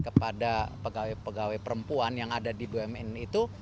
kepada pegawai pegawai perempuan yang ada di bumn itu